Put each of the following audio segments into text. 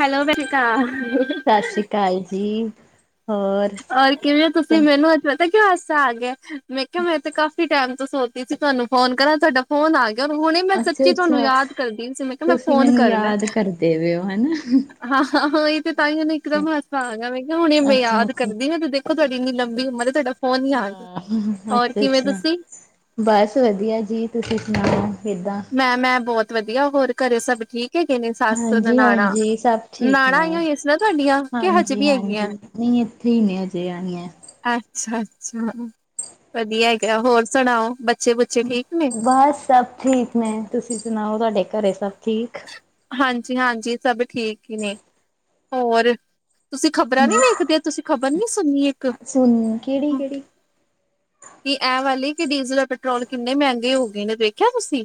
Hello Banita. ਸਤਿ ਸ੍ਰੀ ਅਕਾਲ ਜੀ ਹੋਰ ਔਰ ਕਿਵੇਂ ਹੋ ਤੁਸੀਂ ਮੈਨੂੰ ਅੱਜ ਪਤਾ ਹਾਸਾ ਆ ਗਿਆ ਮੈਂ ਕਿਹਾ ਮੈਂ ਤੇ ਕਾਫੀ ਟਾਈਮ ਤੋਂ ਸੋਚਤੀ ਸੀ ਤੁਹਾਨੂੰ ਫੋਨ ਕਰਾਂ ਤੁਹਾਡਾ ਫੋਨ ਆ ਗਿਆ ਹੁਣੀ ਮੈਂ ਅੱਛਾ ਸੱਚੀ ਤੁਹਾਨੂੰ ਅੱਛਾ ਯਾਦ ਕਰਦੀ ਸੀ ਮੈਂ ਕਿਹਾ ਮੈਂ ਤੁਸੀਂ ਫੋਨ ਮੈਨੂੰ ਕਰਨਾ ਯਾਦ ਕਰਦੇ ਪਏ ਹੋ ਹਨਾ ਹਾਂ ਓਹੀਓ ਤਾਹੀਓਂ ਨਾ ਅੱਛਾ ਇੱਕਦਮ ਹਸਾ ਆ ਗਿਆ ਮੈਂ ਕਿਹਾ ਹੁਣੇ ਅੱਛਾ ਯਾਦ ਅੱਛਾ ਤੁਸੀਂ ਦੇਖੋ ਤੁਹਾਡੀ ਇੰਨੀ ਲੰਬੀ ਉਮਰ ਹੈ ਤੁਹਾਡਾ ਫੋਨ ਹੀ ਆ ਗਿਆ ਹੋਰ ਅੱਛਾ, ਕਿਵੇਂ ਅੱਛਾ ਤੁਸੀਂ ਬਸ ਵਧੀਆ ਜੀ ਤੁਸੀਂ ਸੁਣਾਓ ਕਿੱਦਾਂ ਮੈਂ, ਮੈਂ ਬਹੁਤ ਵਧੀਆ ਹੋਰ ਘਰੇ ਸਭ ਠੀਕ ਨੇ ਸੱਸ ਹਾਂਜੀ ਨਨਾਣਾ ਹਾਂਜੀ ਸਭ ਠੀਕ ਨਣਾਆਂ ਨੇ ਹੋਈਆਂ ਸੀ ਨਾ ਤੁਹਾਡੀਆਂ ਕਿ ਹਜੇ ਹਾਂਜੀ ਵੀ ਹਾਂਜੀ ਹੈਗੀਆਂ ਨਹੀਂ ਇੱਥੇ ਹੀ ਨੇ ਅਜੇ ਆਣੀਆ ਅੱਛਾ, ਅੱਛਾ ਵਧੀਆ ਹੈਗਾ ਹੋਰ ਸੁਣਾਓ। ਬੱਚੇ ਬੁੱਚੇ ਠੀਕ ਨੇ ਬਸ ਸਭ ਠੀਕ ਨੇ। ਤੁਸੀਂ ਸੁਣਾਓ ਤੁਹਾਡੇ ਘਰੇ। ਸਭ ਠੀਕ। ਹਾਂਜੀ, ਹਾਂਜੀ ਸਭ ਠੀਕ ਹੀ ਨੇ ਔਰ ਤੁਸੀਂ ਖ਼ਬਰਾਂ ਨੀ ਵੇਖਦੇ ਤੁਸੀਂ ਖ਼ਬਰ ਨੀ ਸੁਣਨੀ ਇੱਕ ਸੁਣ ਕਿਹੜੀ ਕਿਹੜੀ ਕੀ ਐ ਵਾਲੀ ਕਿ ਡੀਜ਼ਲ ਪੈਟਰੋਲ ਕਿੰਨੇ ਮਹਿੰਗੇ ਹੋ ਗਏ ਨੇ ਦੇੇਖਿਆ ਤੁਸੀਂ।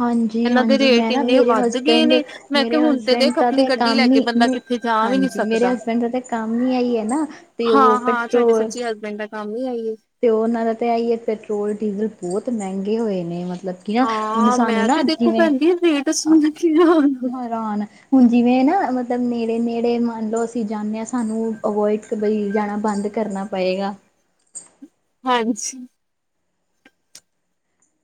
ਹਾਂਜੀ, ਇਹਨਾਂ ਦੇ ਹਾਂਜੀ। ਰੇਟ ਮੈਂ ਨਾ ਇੰਨੇ ਮੇਰੇ ਵੱਧ ਹਸਬੈਂ ਗਏ ਬੈਂਡ ਨੇ ਮੈਂ ਕਿਹਾ ਮੇਰੇ ਹੁਣ ਤੇ ਹਸਬੈਂਡ ਦੇਖ ਦਾ ਆਪਣੀ ਤੇ ਗੱਡੀ ਲੈ ਕੰਮ ਕੇ ਹੀ ਬੰਦਾ ਕਿੱਥੇ ਜਾ ਵੀ ਨੀ ਹਾਂਜੀ ਮੇਰੇ ਸਕਦਾ ਹਸਬੈਂਡ ਦਾ ਤੇ ਕੰਮ ਹੀ ਆ ਹੀ ਹੈ ਨਾ ਤੇ ਉਹ ਹਾਂ-ਹਾਂ ਸਾਡੇ ਪੈਟਰੋਲ ਸੱਚੀ ਹਸਬੈਂਡ ਦਾ ਹੀ ਆਈ ਏ। ਤੇ ਉਹਨਾਂ ਦਾ ਤਾਂ ਆਹੀ ਹੈ। ਪੈਟਰੋਲ ਡੀਜ਼ਲ ਬਹੁਤ ਮਹਿੰਗਾ। ਗੇ ਹੋਏ ਨੇਬ ਹਾਂ ਮੈਂ ਤੇ ਦੇਖੋ ਭੈਜੀਂ ਰੇਟ ਸੁਣ ਆ ਹੈਰਾਨ ਹੁਣ ਜਿਵੇਂ ਨਾ ਮਤਲਬ ਨੇੜੇ-ਨੇੜੇ ਮੰਨ ਲਓ ਅਸੀਂ ਜਾਂਦੇ ਹਾਂ ਸਾਨੂੰ ਅਵੋਇਡ ਜਾਣਾ ਬੰਦ ਕਰਨਾ ਪਏਗਾ ਹਾਂਜੀ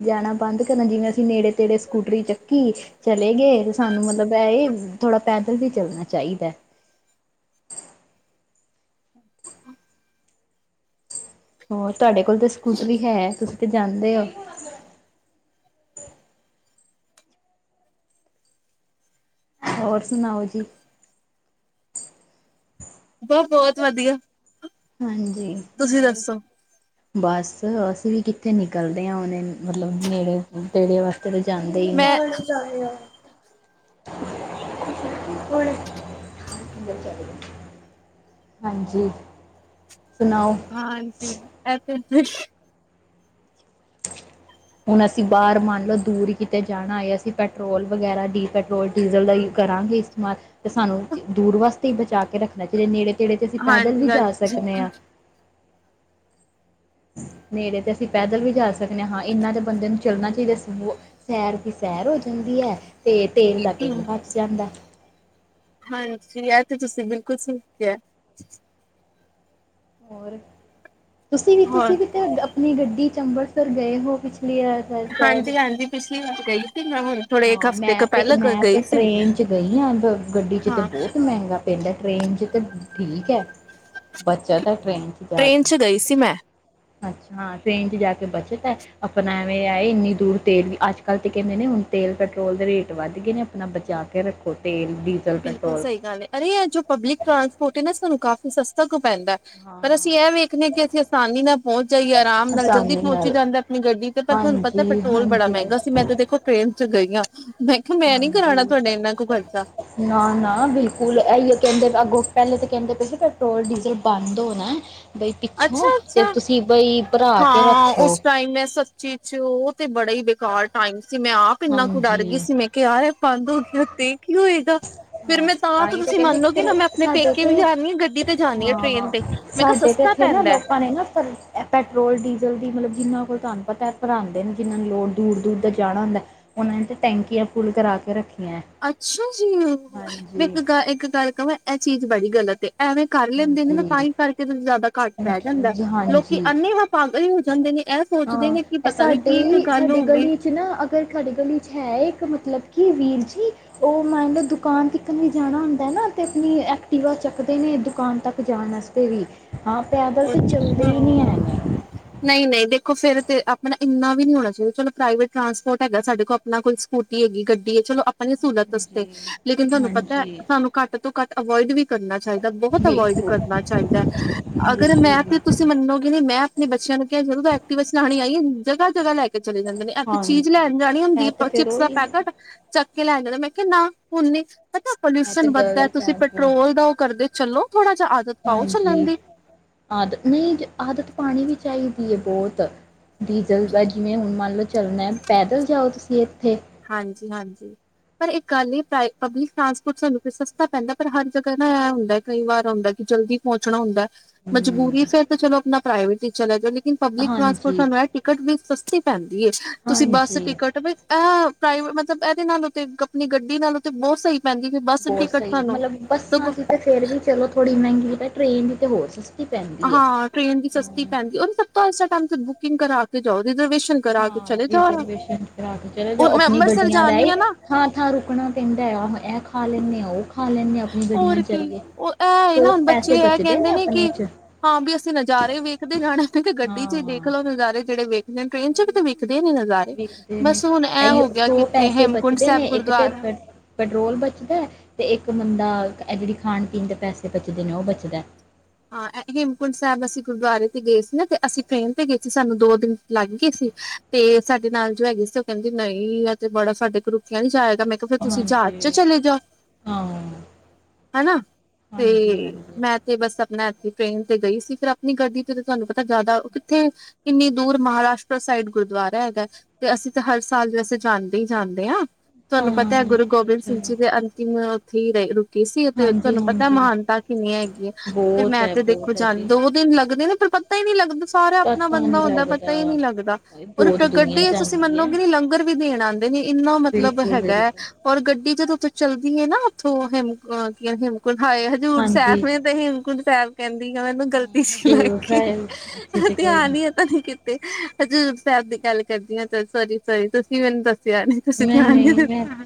ਜਾਣਾ ਬੰਦ ਕਰਨਾ ਜਿਵੇਂ ਅਸੀਂ ਨੇੜੇ ਤੇੜੇ ਸਕੂਟਰੀ ਚੱਕੀ ਚਲੇ ਗਏ ਤੇ ਸਾਨੂੰ ਮਤਲਬ ਇਹ ਥੋੜ੍ਹਾ ਪੈਦਲ ਵੀ ਚੱਲਣਾ ਚਾਹੀਦਾ ਹੋਰ ਤੁਹਾਡੇ ਕੋਲ ਤੇ ਸਕੂਟਰਰੀ ਹੈ ਤਾ ਤੇ ਜਾਂਦੇ ਹੋ ਹੋਰ ਸੁਣਾਓ ਜੀ ਬਹੁ ਬਹੁਤ ਵਧੀਆ ਹਾਂਜੀ ਤੁਸੀਂ ਹੋਰ ਦੱਸੋ ਬਸ ਅਸੀਂ ਵੀ ਕਿੱਥੇ ਨਿਕਲਦੇ ਹਾਂ ਉਹਨੇ ਮਤਲਬ ਨੇੜੇ ਤੇੜੇ ਵਾਸਤੇ ਧਰ ਜਾਂਦੇ ਹੀ ਮੈਂ ਨਹੀਂ ਹੋਣੇ [inaudible] ਹਾਂਜੀ ਸੁਣਾਓ ਹਾਂਜੀ ਏ [inaudible] ਹੁਣ ਅਸੀਂ ਬਾਹਰ ਮੰਨ ਲਓ ਦੂਰ ਕਿਤੇ ਜਾਣਾ ਹੈ ਅਸੀਂ ਪੈਟਰੋਲ ਵਗੈਰਾ ਦੀ ਪੈਟਰੋਲ ਡੀਜ਼ਲ ਦਾ ਹੀ ਕਰਾਂਗੇ ਇਸਤੇਮਾਲ ਅਤੇ ਸਾਨੂੰ ਦੂਰ ਵਾਸਤੇ ਬਚਾ ਕੇ ਰੱਖਣਾ ਚਾਹੀਦੇ ਨੇੜੇ ਜਿਹੜੇ ਤੇ ਅਸੀਂ ਪੈਦਲ ਵੀ ਜਾ ਹਾਂਜੀ-ਹਾਂਜੀ ਸਕਦੇ ਹਾਂ ਨੇੜੇ ਤੇ ਅਸੀਂ ਪੈਦਲ ਵੀ ਜਾ ਸਕਦੇ ਹ ਹਾਂ ਇਹਨਾਂ ਦੇ ਬੰਦੇ ਨੂੰ ਚੱਲਣਾ ਚਾਹੀਦਾ ਸੀ ਸੈਰ ਦੀ ਸੈਰ ਹੋ ਜਾਂਦੀ ਹੈ ਤੇ ਤੇਲ ਦਾ ਤੇਲ ਬਚ ਜਾਂਦਾ ਹਾਂਜੀ ਇਹ ਤੇ ਤੁਸੀਂ ਬਿਲਕੁਲ ਸਹੀ ਕਹਯਾ ਹੈ ਹੋਰ ਤੁਸੀਂ ਵੀ ਹੋਰ ਤੁਸੀਂ ਵੀ ਤੁ ਆਪਣੀ ਗੱਡੀ ਚ ਅੰਬ੍ਰਿਤਸਰ ਗਏ ਹੋ ਪ ਹਾਂਜੀ [inaudible] [unintelligible] ਥੋੜੇ ਇੱਕ ਹਾਂ ਹਫ਼ਤੇ ਕ ਮੈਂ ਤੇ ਪਹਿਲਾਂ ਮੈਂ ਤੇ ਗਈ ਸੀ ਟ੍ਰੇਨ ਚ ਗਈ ਹਾਂ ਗੱਡੀ ਚ ਤੇ ਹਾਂ ਬਹੁਤ ਮਹਿੰਗਾ ਪੈਂਦਾ ਟ੍ਰੇਨ 'ਚ ਤਾਂ ਠੀਕ ਹੈ ਬੱਚਤ ਹੈ ਟ੍ਰੇਨ ਜਾ ਟ੍ਰੇਨ ਕੇ ਚ ਗਈ ਸੀ ਮੈਂ ਅੱਛਾ ਹਾਂ ਟ੍ਰੇਨ ਚ ਜਾ ਕੇ ਬਚਤ ਹੈ ਆਪਣਾ ਐਵੇਂ ਆਏ ਇੰਨੀ ਦੂਰ ਤੇਲ ਵੀ ਅੱਜ ਕੱਲ ਤੇ ਕਹਿੰਦੇ ਨੇ ਹੁਣ ਤੇਲ ਪੈਟਰੋਲ ਦੇ ਰੇਟ ਵੱਧ ਗਏ ਨੇ ਆਪਣਾ ਬਚਾ ਕੇ ਰੱਖੋ ਤੇਲ, ਡੀਜ਼ਲ, ਬਿਲਕੁਲ ਪੈਟਰੋਲ। ਸਹੀ ਗੱਲ ਹੈ ਅਰੇ ਜੋ ਪਬਲਿਕ ਟਰਾਂਸਪੋਰਟ ਹੈ ਨਾ ਸਾਨੁ ਕਾਫੀ ਸਸਤਾ ਪੈਂਦਾ ਪਰ ਅਸੀਂ ਹਾਂ। ਇਹਂ ਵੇਖਣੇ ਹ ਕਿ ਅਸੀਂ ਆਸਾਨੀ ਨਾਲ ਪਹੁੰਚ ਜਾਈਏ ਆਰਾਮ ਨਾਲ ਜਲਦੀ ਆਸਾਨੀ ਪਹੁੰਚੀ ਨਾਲ, ਜਾਂਦਾ ਆਪਣੀ ਗੱਡੀ ਤੇ ਪਰ ਤੁਹਾਨੂੰ ਪਤਾ ਪੈਟਰੋਲ ਬੜਾ ਹਾਂਜੀ-ਹਾਂਜੀ। ਮਹਿੰਗਾ ਸੀ ਮੈਂ ਤੇ ਦੇਖੋ ਟ੍ਰੇਨ ਚ ਗਈਆਂ ਮੈਂ ਕਿਹਾ ਮੈਂ ਨੀ ਕਰਾਣਾ ਹਾਂਜੀ, ਤੁਹਾਡੇ ਏਨਾ ਕ ਖਰਚਾ ਨਾ-ਨਾ ਬਿਲਕੁੱਲ ਐ ਈ ਓ ਕੇਂਦੇ ਅੱਗੋ ਪਹਿਲੇ ਤੇ ਕੈਂਦੇ ਪਏ ਸੀ ਪੈਟਰੋਲ ਡੀਜ਼ਲ ਬੰਦ ਹੋਣਾ ਬਈ ਪਿੱਛੋਂ ਤੇ ਅੱਛਾ-ਅੱਛਾ ਤੁਸੀਂ ਬਈ ਭਰਾ ਕੇ ਹਾਂ ਰੱਖੋ, ਉਸ ਟਾਈਮ ਮੈਂ ਸੱਚੀ ਚ ਓ ਤੇ ਬੜਾ ਈ ਕਾਰ ਟਾਈਮ ਸੀ ਮੈਂ ਆਪ ਇੰਨਾ ਕੁ ਡਰ ਗੀ ਹਾਂਜੀ। ਸੀ ਮੈਂ ਕਿਹਾ [unintelligible] ਕਿਰਤੀ ਕੀ ਹੋਏਗਾ ਫ਼ਿਰ ਹਾਂ, ਮੈਂ ਤਾਂ ਤਾਂ ਹੀ ਤੇ ਤੁਸੀਂ ਕਹਿੰਦੇ ਇੱਕ ਮੰਨੋਗੇ ਨਾ ਤੇ ਮੈਂ ਆਪਣੇ ਸਾਡੇ ਪੇਕੇ ਵੀ ਤੇ ਜਾਣੀ ਆਾਂ ਗੱਡੀ ਤੇ ਜਾਣੀ ਆ ਟ੍ਰਰੇਨ ਹਾਂ ਤੇ ਮੈਂ ਕਿਹਾ ਸਾਡੇ ਸਸ ਤੇ ਇੱਥੇ ਨਾ ਲੋਕਾਂ ਨੇ ਨਾ ਪੈਟਰੋਲ ਡੀਜ਼ਲ ਮਤਲਬ ਜਿੰਨਾ ਕੋਲ ਤੁਹਾਨੂੰ ਪਤਾ ਭਰਾਉਂਦੇ ਨੇ ਜਿਨਾ ਨੂੰ ਲੋੜ ਦੂਰ-ਦੂਰ ਦਾ ਜਾਣਾ ਹੁੰਦਾ ਓਨਾਂ ਨੇ ਤਾਂ ਟੈਂਕੀਆਂ ਫੁੱਲ ਕਰਾ ਕੇ ਰੱਖੇ ਅੱਛਾ ਜੀ। ਮੈਂ ਇੱਕ ਗ ਇੱਕ ਗੱਲ ਕਵਾ ਐ ਚੀਜ਼ ਬੜੀ ਗਲਤ ਏ ਐਵੇਂ ਕਰ ਲੈਂਦੇ ਨੇ ਨਾ ਤਾਂ ਹਾਂਜੀ ਈ ਕਰਕੇ ਤਾਂ ਫਿਰ ਜ਼ਿਆਦਾ ਘੱਟ ਪੈ ਜਾਂਦਾ ਲੋਕੀ ਹਾਂਜੀ ਐੰਨਨੀ ਵਪ ਜਾਂਦੇ ਨੇ ਇਹ ਸੋਚਦੇ ਹਾਂ ਨੇ ਕਿ ਐ ਪਤਾ ਨੀ ਸਾਡੇ ਕੀ ਇੱਕ ਈ ਗੱਲ ਸਾਡੀ ਹੋ ਗਈ ਗਲੀ ਚ ਨਾ ਅਗਰ ਸਾਡੇ ਗਲੀ ਚ ਹੈ ਇੱਕ ਮਤਲਬ ਕਿ ਵੀਰ ਜੀ ਓ ਮੰਨ ਲੌ ਦੁਕਾਨ ਤੱਕ ਵੀ ਜਾਣਾ ਹੁੰਦਾ ਨਾ ਤੇ ਆਪਣੀ ਐਕਟੀਿਵਾ ਚੁਕਦੇ ਨੇ ਦੁਕਾਨ ਤੱਕ ਜਾਣ ਵਾਸਤੇ ਵੀ ਹਾਂ ਪੈਦਲ ਤੇ ਚੱਲਦੇ ਈ ਨੀ ਹੈਗੇ ਨਈ ਨਈ ਦੇਖੋ ਫਿਰਰ ਤੇ ਆਪਣਾ ਇੰਨਾ ਵੀ ਨ ਨਹੀਂ ਹੋਣਾ ਚਾਹੀਦਾ ਚਲੋ ਪ੍ਰਾਈਵੇਟ ਟਰਾਂਸਪੋਰਟ ਹੈਗਾ ਸਾਡੇ ਕੋਲ ਆਪਣਾ ਕੋਈ ਸਕੂਟੀ ਹੈਗੀ ਗੱਡੀ ਹੈ ਚਲੋ ਆਪਾਂ ਦੀ ਸਹੂਲਤ ਹਾਂਜੀ, ਲੇਕਿਨ ਤੁਹਾਨੂੰ ਪਤਾ ਹਾਂਜੀ ਸਾਨੂੰ ਘੱਟ ਤੋਂ ਘੱਟ ਅਵੋਇਡ ਵੀ ਕਰਨਾ ਚਾਹੀਦਾ ਬਹੁਤ ਅਵੋਇਡ ਬਿਲਕੁਲ, ਕਰਨਾ ਚਾਹੀਦਾ ਅਗਰ ਬਿਲਕੁਲ, ਮੈਂ ਤੇ ਤੁਸੀਂ ਬਿਲਕੁਲ। ਮੰਨੋਗੇ ਨੂੰ ਮੈਂ ਆਪਣੇ ਬੱਚਿਆਂ ਨੂੰ ਕਿਹਾ ਜਦੋਂ ਐਕਟੀਵਸ ਕਹਾਣੀ ਆਈ [unintelligible] ਜਗਾ ਜਗਾ ਲੈ ਕੇ ਚਲੇ ਜਾਂਦੇ ਨੇ ਐ ਥੇ ਚੀਜ਼ ਹਾਂਜੀ, ਲੈਣ ਜਾਣੀ ਇਹ ਹੁੰਦੀ ਤੇ ਫੇਰ ਚਿਪਸ ਦਾ ਉਹੀ ਪੈਕਟ ਇਹ ਚੱਕ ਕੇ ਲੈ ਜਾਣਾ ਮੈਂ ਕਿਹਾ ਨਾ ਹੁਣ ਨੀ, ਪਤਾ ਪੋਲਿਊਸ਼ਨ ਤੇ ਵੱਧਦਾ ਗ਼ਲਤ ਤੁਸੀਂ ਹੈ ਅੱਗੋਂ ਪੈਟਰੋਲ ਦਾ ਔ ਕਰਦੇ। ਚੱਲੋ। ਥੋੜਾ ਜਾ ਆਦਤ ਪਾਓ ਸੁਣਨ ਹਾਂਜੀ। ਦੀ, ਆਦਤ ਨਈ ਆਦਤ ਪਾਣੀ ਵੀ ਚਾਈਦੀ ਹੈ ਬਹੁਤ ਡੀਜ਼ਲ ਦਾ ਜਿਵੇਂ ਹੁਣ ਮੰਨ ਲਓ ਚੱਲਣਾ ਪੈਦਲ ਜਾਓ ਤੁਸੀਂ ਇਹ, ਹਾਂਜੀ-ਹਾਂਜੀ ਪਰ ਇੱਕ, ਕੱਲ ਏ ਪ੍ਰਾਈਵੇਟ ਪਬਲਿਕ ਟਰਾਂਸਪੋਰਟ ਸਾਨੂੰ ਸਸਤਾ ਪੈਂਦਾ ਪਰ ਹਰ ਜਗ੍ਹਾ ਨਾ ਐ ਹੁੰਦਾ ਕਈ ਵਾਰ ਹੁੰਦਾ ਕਿ ਜਲਦੀ ਪੋਂਚਨਾ ਹੁੰਦਾ। ਮਜਬੂਰੀ ਹੂੰ, ਫੇਰ ਤਾਂ ਚਲੋ ਆਪਣਾ। ਪ੍ਰਾਈਵੇਟ ਟੀਚਰ [unintelligible] ਕਿ ਪਬਲਿਕ ਟਰਾਂਸਪੋਰ ਹਾਂਜੀ, ਦਾ ਏ ਟਿਕਟ ਵੀ ਸਸਤੀ ਪੇਨ ਏ ਤੁਸੀਂ ਬੱਸ ਹਾਂਜੀ। ਟਿਕਟ ਵੀ ਐ ਪ੍ਰਾਈਵੇਟ ਮਤਲਬ ਇਹਦੇ ਨਾਲੋ ਤੇ ਆਪਣੀ ਗੱਡੀ ਨਾਲ ਬਹੁਤ ਸਹੀ। ਪੈਂਦੀ ਕਿ ਬੱਸ ਬਹੁਤ ਟਿਕਟ ਸਹੀ, ਸਾਨੂੰ ਮਤਲਬ ਬੱਸਾਂ ਸਗੋਂ ਦੀ ਤੇ ਫੇਰ ਵੀ ਚਲੋ ਥੋੜ੍ਹੀ ਮਹਿੰਗੀ। ਟ੍ਰੇਨ ਦੀ ਤੇ ਹੋਰ ਸ ਹਾਂ ਟ੍ਰੇਨ ਦੀ ਸਸਤੀ ਪੈਂਦੀ ਉਹਨੂੰ ਸਭ ਤੋਂ ਅ ਤੁਹਾਨੂੰ ਬੁਕਿੰਗ ਕਰ ਕੇ ਜਾਓ। ਰਿਜ਼ਰਵੇਸ਼ਨ ਕਰਾ ਕੇ ਹਾਂ ਚਲੇ ਜਾਓ। ਰਿਜ਼ਰਵੇਸ਼ਨ ਕਰਾ ਕੇ ਚਲੋ ਜਾਓ ਹੁਣ ਮੈਂ ਆਪਣੀ ਅੰਮ੍ਰਿਤਸਰ ਗੱਡੀਆਂ ਦਾ ਜਾਣੀ ਆ ਨਾ ਥਾਂ ਥਾਂ ਰੁਕਣਾ ਪੈਂਦਾ ਆ ਖਾ ਲੇਨੇ ਆ ਉਹ ਖਾ ਲੈਂਦੇ ਆ ਆਪਣੀ ਗੱਡੀਆਂ ਹੋਰ ਚ ਕੀ ਜਾਈਏ ਉਹ ਇਹ ਸੋ ਨਾ ਬੱਚੇ ਪੈਸੇ ਇਹ ਬਚਦੇ ਕਹਿੰਦੇ ਨੇ ਆਪਣੇ ਕਿ ਚ ਹਾਂ ਵੀ ਅਸੀਂ ਨਜ਼ਾਰੇ ਵੇਖਦੇ ਜਾਣਾ ਨੇ ਤੇ ਗੱਡੀ ਚ ਹੀ ਦੇਖ ਹਾਂ ਲਓ ਨਜ਼ਾਰੇ ਜਿਹੜੇ ਵੇਖ ਟ੍ਰੇਨ ਚ ਉਹੀ ਕਿਤੇੇ ਵੀ ਨਾ ਵੇਖਦੇ ਨੇ ਨਜ਼ਾਰੇ ਵੇਖਦੇ ਨੇ ਬਸ ਹੁਣ ਇਹ ਇਹੀ ਹੋ ਗਿਆ ਕਿ ਸੌ ਇੱਥੇ ਪੈਸੇ ਹੇਮਕੁੰਟ ਬਚਦੇ ਨੇ ਸਾਹਿਬ ਇੱਕ ਤੇ ਗੁਰਦੁਆਰਾ ਪੈਟਰੋਲ ਬਚਦਾ ਤੇ ਇੱਕ ਬੰਦਾ ਇਹ ਜਿਹੜੀ ਖਾਣ ਪੀਣ ਦੇ ਪੈਸੇ ਬਚਦੇ ਨੇ ਉਹ ਬਚਦਾ। ਹਾਂ ਹੇਮਕੁੰਟ ਸਾਹਿਬ ਅਸੀਂ ਗੁਰਦੁਆਰੇ ਤੇ ਗਏ ਸੀ ਨਾ ਤੇ ਅਸੀਂ ਟ੍ਰੇਨ ਤੇ ਗਏ ਸੀ, ਸਾਨੂੰ ਦੋ ਦਿਨ ਲੱਗ ਗਏ ਸੀ, ਤੇ ਸਾਡੇ ਨਾਲ ਜੋ ਹੈਗੇ ਸੀ ਉਹ ਕਹਿੰਦੀ ਨਹੀਂ ਆ ਤੇ ਬੜਾ ਸਾਡੇ ਕੋਲ ਰੁੱਕਿਆ ਨੀ ਜਾਇਆ। ਮੈਂ ਕਿਹਾ ਫਿਰ ਤੁਸੀਂ ਜਹਾਜ਼ ਚ ਹਾਂਜੀ ਚਲੇ ਜਾਓ ਹਾਂ ਹਨਾ ਤੇ ਹਾਂਜੀ ਹਾਂਜੀ ਮੈਂ ਤੇ ਬਸ ਮੈਂ ਇਥੇ ਟ੍ਰੇਨ ਤੇ ਗਈ ਸੀ, ਫਿਰ ਆਪਣੀ ਗੱਡੀ ਤੇ ਤੁਹਾਨੂੰ ਪਤਾ ਜ਼ਿਆਦਾ ਕਿੱਥੇ ਕਿੰਨੀ ਦੂਰ ਮਹਾਰਾਸ਼ਟਰ ਸਾਈਡ ਗੁਰਦੁਆਰਾ ਹੈਗਾ ਤੇ ਅਸੀਂ ਤਾਂ ਹਰ ਸਾਲ ਵੈਸੇ ਜਾਂਦੇ ਹੀ ਜਾਂਦੇ ਹਾਂ। ਤੁਹਾਨੂੰ ਪਤਾ ਹੈ ਹਾਂ ਗੁਰੂ ਅੱਛਾ ਗੋਬਿੰਦ ਅੱਛਾ ਸਿੰਘ ਜੀ ਦੇ ਅੰਤਿਮ [unintelligible] ਸੀ ਤੇ ਹਾਂਜੀ ਤੁਹਾਨੂੰ ਪਤਾ ਹਾਂਜੀ ਮਹਾਨਤਾ ਕਿੰਨੀ ਹੈਗੀ ਹੈ। ਬਹੁਤ ਹੈ ਤੇ ਦੇਖੋ ਬਹੁਤ ਹੈ ਜਦ ਜੀ ਦੋ ਦਿਨ ਲ ਲੱਗਦੇ ਨੇ ਪਰ ਪਤਾ ਹੀ ਨਹੀਂ ਲੱਗਦਾ। ਸਾਰਾ ਆਪਣਾ ਪਤਾ ਬੰਦਾ ਨੀ ਹੁੰਦਾ ਪਤਾ ਹੀ ਲੱਗਦਾ ਨੀ ਲੱਗਦਾ, ਔਰ ਬਹੁਤ ਦੁਨੀਆਂ ਗੱਡੀ ਚ ਤੁਸੀਂ ਜਾਂਦੀ ਹੈ ਮੰਨੋਗੇ ਨੀ ਲੰਗਰ ਵੀ ਦੇਣ ਆਦੇ ਨੇ ਇੰਨਾ ਮਤਲਬ ਬਿਲਕੁਲ ਹੈਗਾ ਹੈ ਬਿਲਕੁਲ ਔਰ ਗੱਡੀ ਜਦੋਂ ਚਲਦੀ ਹੈ ਨਾ ਉੱਥੋਂ ਹੇਮ ਕੀ ਹੇਮ ਹਾਏ ਹਜੂਰ ਹਾਂਜੀ ਸਾਹਿਬ ਮੈਨੂੰ ਤਾਂ ਹੇਮਕੁੰਟ ਸਾਹਿਬ ਕਹਿੰਦ ਮੈਨੂੰ ਗ਼ਲਤੀ ਹਾਂ ਸੀ ਹਜ਼ੂਰ ਲੱਗ ਗੀ ਸਾਹਿਬ ਅੱਛਾ ਅੱਛਾ ਕੋਈ ਧਿਆਨ ਈ ਨੀ ਪਤਾ ਨੀ ਤੇ ਹਜ਼ੂਰ ਸਾਹਿਬ ਦੀ ਗੱਲ ਕਰਦੀ ਆ ਚਲੋ ਸੋ਼ਰੀ, ਸੋ਼ਰੀ ਤੁਸੀਂ ਮੈਨੂੰ ਦੱ ਸਿਆ ਨਹੀਂ ਤੁਸੀਂ ਨਹੀਂ ਧਿਆਨ ਨੀ ਨਹੀਂ ਮੈਂ ਦਿੱਤਾ।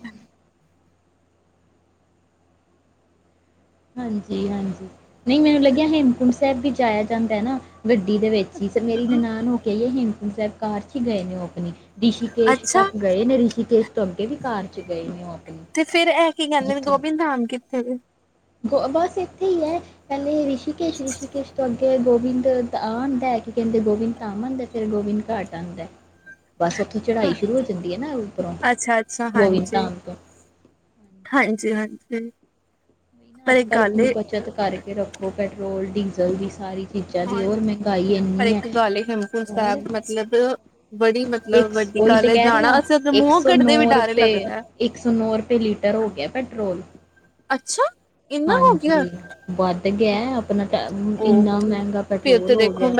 ਹਾਂਜੀ, ਹਾਂਜੀ ਨਹੀਂ ਮੈਨੂੰ ਲੱਗਿਆ ਹੇਮਕੁੰਟ ਸਾਹਿਬ ਵੀ ਜਾਇਆ ਜਾਂਦਾ ਹੈ ਨਾ ਗੱਡੀ ਦੇ ਵਿੱਚ ਹੀ ਤੇ ਮੇਰੀ ਨਨਾਣ ਹੋ ਕੇ ਆਈ ਏ ਹੇਮ ਕੂੰਟ ਸਾਹਿਬ ਕਾਰ ਚ ਹੀ ਗਏ ਨੇ ਉਹ ਆਪਣੀ? ਰਿਸ਼ੀਕੇਸ਼ ਅੱਛਾ ਤੱਕ ਗਏ ਨੇ ਰਿਸ਼ੀ [unintelligible] ਤੇ ਫੇਰ ਇਹ ਕੀ ਕਹਿੰਦੇ ਜਿੱਥੋਂ ਗੋਭੀਦ ਧਾਮ ਕਿੱਥੇ ਜੇ ਬਸ ਇੱਥੇ ਹੀ ਹੈ ਪਹਿਲੇ ਰਿਸ਼ ਕੇਸ਼ ਰਿਸ਼ੀਕੇਸ਼ ਤੋਂ ਅੱਗੇ ਗੋ ਗੋਬਿੰਦ ਆ ਆਂਦਾ ਕਿ ਕਹਿੰਦੇ ਗੋਬਿੰਦ ਧਾਮ ਆਂਦਾ ਫਿਰ ਗੋਬਿੰਦ ਘਾਟ ਆਂਦਾ ਬਸ ਓਥੋਂ ਚੜ੍ਹਾਈ ਸ਼ੁਰੂ ਹੋ ਜਾਂਦੀ ਹੈ ਨਾ ਉੱਪਰੋਂ ਅੱਛਾ ਅੱਛਾ ਗੋਵਿੰਦ ਹਾਂਜੀ ਧਾਮ ਤੋਂ ਹੂੰ ਅੱਜ, ਕੱਲ ਆਪਣੀ ਬੱਚਤ ਕਰਕੇ ਰੱਖੋ ਪੈਟਰੋਲ ਡੀਜ਼ਲ ਦੀ ਸਾਰੀ। ਚੀਜ਼ਾਂ ਦੀ ਹਾਂ ਹੋਰ ਮਹਿੰਗਾਈ ਪਰ ਇੰਨੀ ਹੈ ਇੱਕ ਗੱਲ ਏ ਹੇਮਕੁੰਟ ਸਾਹਿਬ ਹੋਰ ਮਤਲਬ ਬੜੀ ਇੱਕ ਮਤਲਬ ਵੱਡੀ ਓਹੀ ਤੇ ਗੱਲ ਹੈ ਕਹਿ ਰਹੀ ਜਾਣਾ ਆ ਅਸੀ ਇੱਕ ਮੂੰਹੋਂ ਸੌ ਕੱਢਦੇ ਵੀ ਨੋ ਡਰ ਰੁਪਏ ਲੱਗਦਾ ਇੱਕ ਸੌ ਨੌ ਰੁਪਏ ਲੀਟਰ ਹੋ ਗਿਆ ਪੈਟਰੋਲ। ਅੱਛਾ। ਇੰਨਾ ਹੋ ਗਿਆ ਹਾਂਜੀ। ਵੱਧ ਗਿਆ ਆਪਣਾ ਇੰਨਾ ਓਹੋ ਮਹਿੰਗਾ ਪੈਟਰੋਲ ਹੋ ਗਿਆ।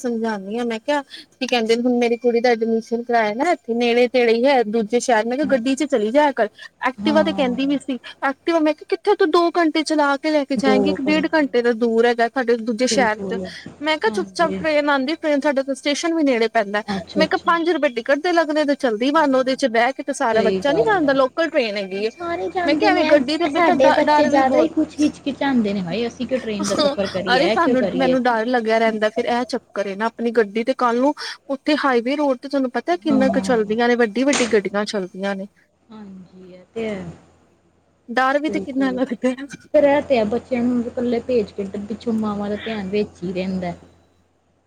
ਸਮਝਾਣੀ ਆ ਮੈਂ ਕਿਹਾ ਕਿ ਕਹਿੰਦੇ ਹੁਣ ਮੇਰੀ ਕੁੜੀ ਦਾ ਐਡਮਿਸ਼ਨ ਕਰਾਇਆ ਨਾ ਏਥੇ ਨੇੜੇ ਤੇੜੇ ਹੀ ਹੈ ਦੂਜੇ ਜੇ ਅੱਛਾ ਸ਼ਹਿਰ ਮੈਂ ਕਿਹਾ ਅੱਛਾ ਗੱਡੀ ਚ ਚਲੀ ਜਾਇ ਕਰ ਐਕਟਿਵਾ ਤੇ ਹਾਂ ਕਹਿੰਦੀ ਪਈ ਸੀ ਐਕਟੀਵਾ ਮੈਂ ਕਿਹਾ ਕਿੱਥੇ ਤੂੰ ਦੋ ਘੰਟੇ ਚਲਾ ਕੇ ਲੈ ਕੇ ਜਾਏਗੀ। ਇੱਕ ਡੇਢ ਘੰਟੇ ਦਾ ਦੂਰ ਹੈਗਾ ਸਾਡੇ ਦੂਜੇ ਸ਼ਹਿਰ ਚ ਬਿਲਕੁਲ ਮੈਂ ਕਿਹਾ ਚੁੱਪ ਚਾਪ ਹਾਂਜੀ ਟ੍ਰੇਨ ਆਂਦੀ ਟ੍ਰੇਨ ਸਾਡੇ ਸਟੇਸ਼ਨ ਵੀ ਨੇੜੇ। ਪੈਂਦਾ ਅੱਛਾ ਮੈਂ ਕਿਹਾ ਅੱਛਾ ਪੰਜ ਰੁਪਏ ਟਿਕਟ ਦੇ ਲੱਗਦੇ ਚੱਲਦੀ ਬਣ ਹਾਂ ਉਹਦੇ ਚ ਬਹਿ ਕੇ ਸਾਰਾ ਸਹੀ ਬੱਚਾ ਨੀ ਗੱਲ ਜਾਂਦਾ ਹੈ ਲੋਕਲ ਟ੍ਰੇਨ ਹੈਗੀ ਐ ਸਾਰੇ ਮੈਂ ਜਾਂਦੇ ਐਵੇਂ ਨੇ ਗੱਡੀ ਇਹ ਦੇ ਤਾਂ ਡ ਸਾਡੇ ਬੱਚੇ ਡਰ ਵੀ ਜ਼ਿਆਦਾ ਹੀ ਬਹੁਤ ਕੁਛ ਹਿਚਕਿਚਾਉਂਦੇ ਨੇ ਹਾਏ ਅਸੀਂ ਕਿਉਂ ਟ੍ਰੇਨ ਦਾ ਸਫ਼ਰ ਕਰੀਏ ਅਰੇ ਇਹ ਕਿਉਂ ਸਾਨੂੰ ਕਰੀਏ ਮੈਨੂੰ ਡਰ ਲੱਗਿਆ ਰਹਿੰਦਾ ਫਿਰ ਇਹ ਚੱਕਰ ਨਾ ਆਪਣੇ ਗੱਡੀ ਤੇ ਕੱਲ ਨੂੰ ਉੱਥੇ ਹਾਈਵੇ ਰੋਡ ਤੇ ਤੁਹਾਨੂੰ ਪਤਾ ਹਾਂ ਕਿੰਨਾ ਕੁ ਚਲਦੀਆਂ ਨੇ ਵੱਡੀ, ਵੱਡੀ ਗੱਡੀ ਚੱਲਦੀਆਂ ਨੇ। ਤੇ ਹੈ ਡਰ ਵੀ ਤੇ ਕਿੰਨਾ ਬਿਲਕੁਲ ਲੱਗਦਾ ਫ ਰਹਿ ਤੇ ਆ ਬੱਚਿਆਂ ਨੂੰ ਇਕੱਲੇ ਭੇਜ ਕੇ ਚੁੰਮਾਵਾਂ ਦਾ ਧਿਆਨ ਵੇ ਹੀ ਰਹਿੰਦਾ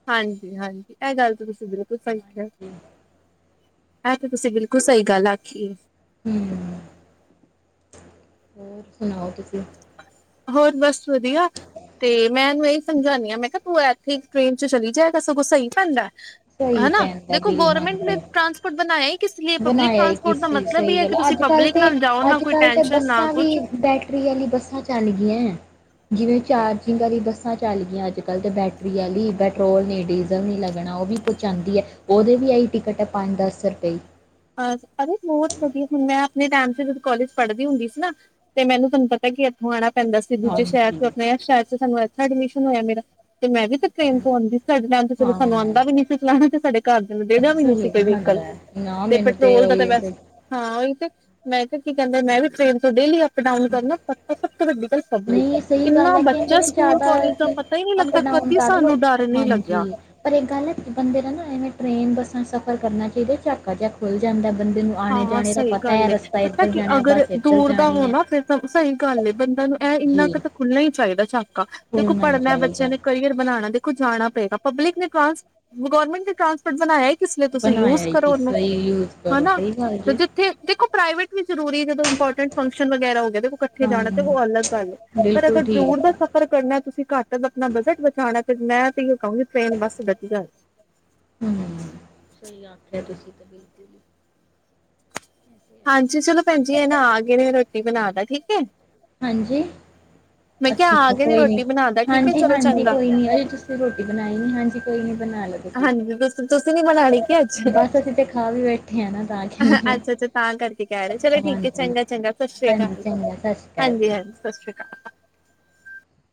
ਹਾਂਜੀ, ਹਾਂਜੀ ਇਹ ਗੱਲ ਤਾਂ ਤੁਸੀਂ। [unintelligible] ਹਾਂਜੀ ਆਂ ਤੇ ਤੁਸੀਂ ਬਿਲਕੁਲ ਸਹੀ ਗੱਲ ਆਖੀ ਹੈ। [unintelligible] ਹੋਰ ਬਸ ਵਧੀਆ ਤੇ ਮੈਂ ਇਹਨੂੰ ਇਹੀ ਸਮਝਾਂਦੀ ਹਾਂ ਮੈਂ ਕਿਹਾ ਤੂੰ ਇੱਥੇ ਟ੍ਰੇਨ ਚ ਚਲੀ ਜਾਏਗਾ ਸਗੋਂ ਸਹੀ ਪੈਂਦਾ ਸਹੀ ਹਨਾ ਪੈਂਦਾ ਦੇਖੋ ਬਿਲ ਗਵਰਮੈਂਟ ਨੇ ਹਾਂਜੀ ਟ੍ਰਾਂਸਪੋਰਟ ਬਣਾਇਆ ਹੀ। ਕਿਸ ਲਈ ਪਬਲਿਕ ਬਣਾਇਆ ਹੀ ਟਰਾਂਸਪੋਰਟ ਦਾ ਕਿਸੇ ਮਤਲਬ ਹੀ ਸਹੀ ਹੈ ਗੱਲ ਕਿ ਤੁਸੀਂ ਅੱਜ ਕੱਲ ਪਬਲਿਕ ਤੇ ਨਾਲ ਜਾਓ ਨਾ ਅੱਜ ਕੋਈ ਕੱਲ ਤੇ ਟੈਨਸ਼ਨ ਨਾ ਬੱਸਾਂ ਕੁਛ ਵੀ ਬੈਟਰੀ ਵਾਲੀ ਬੱਸਾਂ ਚੱਲ ਗਈਆਂ ਜਿਵੇਂ ਚਾਰਜਿੰਗ ਵਾਲੀ ਬੱਸਾਂ ਚੱਲ ਗਈਆਂ ਅੱਜ ਕੱਲ੍ਹ ਤਾਂ ਬੈਟਰੀ ਵਾਲੀ ਪੈਟਰੋਲ ਨੀ ਡੀਜ਼ਲ ਨਹੀਂ ਲੱਗਣਾ ਉਹ ਵੀ ਪਹੁੰਚਾਉਂਦੀ ਹੈ ਉਹਦੇ ਵੀ ਆਈ ਟਿਕਟ ਹੈ ਪੰਜ ਦਸ ਰੁਪਏ ਅਰੇ ਬਹੁਤ ਵਧੀਆ ਹੁਣ ਮੈਂ ਆਪਣੇ ਟੈਮ ਤੇ ਜਦੋਂ ਕੋਲੇਜ ਪੜ੍ਹਦੀ ਹੁੰਦੀ ਸੀ ਨਾ ਤੇ ਮੈਨੂੰ ਤੁਹਾਨੂੰ ਪਤਾ ਕਿ ਇੱਥੋਂ ਆਣਾ ਪੈਂਦਾ ਸੀ ਦੂਜੇ ਸ਼ਹਿਰ ਹਾਂਜੀ ਚ ਆਪਣੇ ਇਸ ਸ਼ਹਿਰ ਚ ਸਾਨੂੰ ਐਡਮਿਸ਼ਨ ਹੋਇਆ ਮੇਰਾ ਤੇ ਮੈਂ ਵੀ ਤਾਂ ਟ੍ਰੇਨ ਤੋਂ ਆਉਂਦੀ ਸੀ ਸਾਡੇ ਟਾਈਮ ਤੇ ਚਲੋ ਸਾਨੂੰ ਹਾਂ ਆਉਂਦਾ ਵੀ ਨ ਸੀ ਚਲਾਣਾ ਤੇ ਸਾਡੇ ਘਰਦਿਆਂ ਨੂੰ ਦੇਣਾ ਵੀ ਨੀ ਸੀ ਸਹੀ ਕੋਈ ਗੱਲ ਵਹੀਕਲ ਹੈ ਨਾ ਤੇ ਮੈਨੂੰ ਪੈਟਰੋਲ ਦਾ ਤਾਂ ਵੈਸ ਉਹੀ ਹਾਂ ਉਹੀ ਤੇ ਮੈਂ ਤੇ ਕੀ ਕਹਿੰਦੇ ਮੈਂ ਵੀ ਟ੍ਰੇਨ ਤੋਂ ਡੇਲੀ ਅਪ ਡਾਊਨ ਕਰਨਾ ਸਭ ਤੋਂ ਵੱਡੀ ਗੱਲ ਪਬਲਿਕ ਨਹੀਂ ਸਹੀ ਗੱਲ ਇੰਨਾ ਹੈ ਕਹਿੰਦੇ ਬੱਚਾ ਨੇ ਸਕੂਲ ਜ਼ਿਆਦਾ ਕਾਲਜ ਦਾ ਪਤਾ ਹੀ ਨਹੀਂ ਅਪ ਲੱਗਦਾ ਡਾਊਨ ਕਦੀ ਕਰ ਲੋ ਸਾਨੂੰ ਡਰ ਨਹੀਂ ਲੱਗਿਆ ਹਾਂਜੀ ਪਰ ਇਹ ਗੱਲ ਹੈ ਬੰਦੇ ਦਾ ਨਾ ਐਵੇਂ ਟ੍ਰੇਨ ਬੱਸਾਂ ਸਫ਼ਰ ਕਰਨਾ ਚਾਹੀਦਾ ਝਾਕਾ ਜਯਾ ਖੁੱਲ ਜਾਂਦਾ ਬੰਦੇ ਨੂੰ ਆਣੇ ਹਾਂ ਜਾਣੇ ਦਾ ਸਹੀ ਪਤਾ ਹੈ ਗੱਲ ਏ ਰਸਤਾ ਪਤਾ ਇੱਧਰ ਕਿ ਜਾਣਾ ਅਗਰ ਬੱਸ ਇੱਧਰ ਦੂਰ ਦਾ ਜਾਣੀ ਹੋ ਹੈ ਨਾ ਫਿਰ ਤਾਂ ਸਹੀ ਗੱਲ ਏ ਬੰਦਾ ਨੂੰ ਇਹ ਇੰਨਾ ਜੀ ਕੁ ਤਾਂ ਖੁੱਲਣਾ ਹੀ ਚਾਹੀਦਾ ਝਾਕ ਦੇਖੋ ਖੁੱਲਣਾ ਹੀ ਪੜ੍ਹਨਾ ਬੱਚਿਆਂ ਚਾਹੀਦਾ ਨੇ ਕਰੀਅਰ ਬਣਾਉਣਾ ਦੇ ਕੁ ਜਾਣਾ ਪਏਗਾ ਪਬਲਿਕ ਨੇ ਟਾਂ ਗੌਰਰਮੈਂਟ ਨੇ ਟਰਾਂਸਪੋਰਟ ਬਣਾਇਆ ਹੀ ਬਣਵਾਇਆ ਕਿ ਸਹੀ ਯੂਜ ਕਰੋ ਹਨਾ ਸਹੀ ਗੱਲ ਤੇ ਜੇ ਜਿੱਥੇ ਦੇਖੋ ਪ੍ਰਾਈਵੇਟ ਵੀ ਜ਼ਰੂਰੀ ਜਦੋਂ ਇੰਪੋਰਟੈਂਟ ਫੰਕਸ਼ਨ ਵਗੈਰਾ ਹੋ ਗ ਇਕੱਠੇ ਹਾਂ ਜਾਣਾ ਤੇ ਉਹ ਅਲੱਗ ਗੱਲ ਹੈ ਪਰ ਬਿਲਕੁਲ ਅਗਰ ਦੂਰ ਠੀਕ ਦਾ ਸਫ਼ਰ ਕਰਨਾ ਤੁਸੀਂ ਘੱਟ ਆਪਣਾ ਬਜਟ ਬਚਾਉਣਾ ਫ ਮੈਂ ਤੇ ਕਹੂੰਗੀ ਟ੍ਰਰੇਨ ਬੱਸ ਵਧੀਆ ਹਮ ਸਹੀ ਆਖਿਆ ਤੁਸੀਂ ਬਿਲਕੁਲ ਹੀ ਹਾਂਜੀ ਚਲੋ ਭੈਣਜੀ ਇਹ ਨਾ ਆ ਗਏ ਨੇ ਰੋਟੀ ਬਣਾ ਲ ਠੀਕ ਹੈ ਹਾਂਜੀ ਮੈਂ ਕਿਹਾ ਆ ਅੱਛਾ-ਅੱਛਾ ਗਏ ਨੇ ਕੋਈ ਨੀ ਰੋਟੀ ਬਣਾਦਾ ਠੀਕ ਹੈ ਚਲੋ ਹਾਂਜੀ-ਹਾਂਜੀ ਚੰਗਾ ਕੋਈ ਨੀ ਅਜੇ ਤੁਸੀਂ ਰੋਟੀ ਬਣਾਈ ਨੀ ਹਾਂਜੀ [unintelligible] ਤੁਸੀਂ ਹਾਂਜੀ ਦੱਸੋ ਤੁਸੀਂ ਨੀ ਨਾਣੀ ਕਿ ਅੱਛ ਬਸ ਅਸੀਂ ਤੇ ਖਾ ਵੀ ਬੈਠੇ ਆ ਨਾ ਤਾਂ ਕਹਿੰਦੇ ਅੱਛਾ-ਅੱਛਾ ਤਾਂ ਕਰਕੇ ਕਹਿ ਰਹੇ ਚਲੋ ਠੀਕ ਹੈ ਹਾਂਜੀ ਚੰਗਾ-ਚੰਗਾ ਸਤਿ ਸ੍ਰੀ ਹਾਂਜੀ ਅਕਾਲ ਜੀ ਚੰਗਾ ਸਤਿ ਸ਼੍ਰੀ ਅਕਾਲ ਜੀ ਹਾਂਜੀ-ਹਾਂਜੀ ਸਤਿ ਸ੍ਰੀ [inaudible]